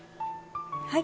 はい。